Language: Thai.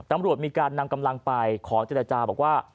ตำรวจมีการนำกำลังไปขอเจรจาบอกว่า